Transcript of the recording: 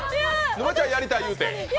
沼ちゃんやりたい言うて。